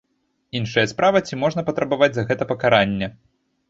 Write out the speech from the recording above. Іншая справа, ці можна патрабаваць за гэта пакарання?